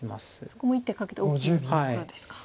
そこも１手かけて大きなところですか。